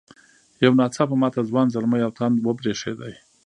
یو نا څاپه ماته ځوان زلمي او تاند وبرېښدې.